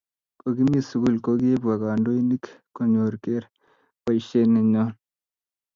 Kokikimii sukul ko kibwa kandoinik konyoko ker baisiet nenyon